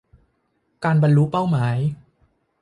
การบรรลุเป้าหมาย